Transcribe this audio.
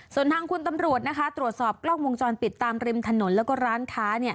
ส่วนทางคุณตำรวจตรวจสอบกล้องวงจรปิดตามริมถนนแล้วก็ร้านค้า